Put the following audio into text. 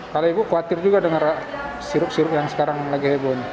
kalau ibu khawatir juga dengar sirup sirup yang sekarang lagi heboh ini